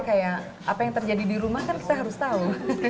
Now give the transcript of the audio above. kayak apa yang terjadi di rumah kan kita harus tahu